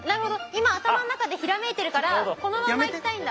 今頭の中でひらめいてるからこのまま行きたいんだ。